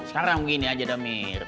sekarang gini aja domir